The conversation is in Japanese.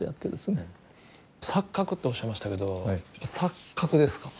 錯覚っておっしゃいましたけど錯覚ですか。